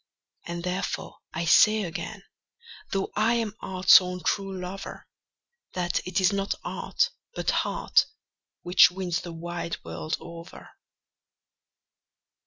And therefore I say again, though I am art's own true lover, That it is not art, but heart, which wins the wide world over.